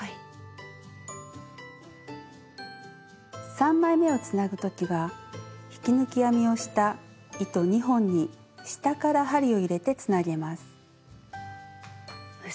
３枚めをつなぐ時は引き抜き編みをした糸２本に下から針を入れてつなげます。